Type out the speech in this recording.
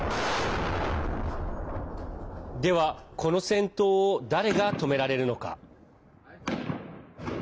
では、この戦闘を誰が止められるのか。